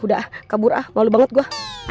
udah kabur ah malu banget gue